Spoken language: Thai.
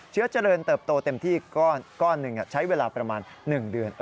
เชื้อเจริญเติบโตเต็มที่ก้อนหนึ่งใช้เวลาประมาณ๑เดือน